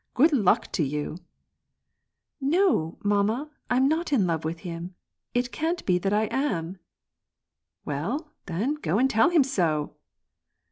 " Grood luck to you !" "No, mamma, I'm not in love with him ; it can't be that I am!" " Well, then, go and tell him so